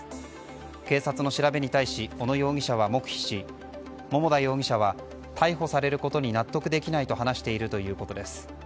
警察の調べに対し小野容疑者は黙秘し桃田容疑者は逮捕されることに納得できないと話しているということです。